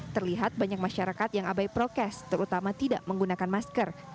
terlihat banyak masyarakat yang abai prokes terutama tidak menggunakan masker